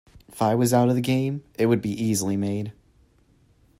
If I was out of the game it would be easily made.